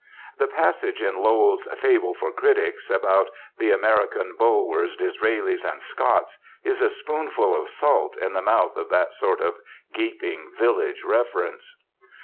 The passage in Lowell's "Fable for Critics" about "The American Bulwers, Disraelis and Scotts" is a spoonful of salt in the mouth of that sort of gaping village reverence.